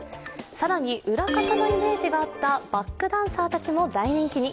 更に裏方のイメージがあったバックダンサーたちも大人気に。